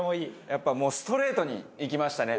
やっぱもうストレートにいきましたね。